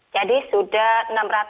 jadi sudah enam ratus lima puluh sembilan